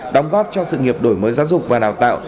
đóng góp cho sự nghiệp đổi mới giáo dục và đào tạo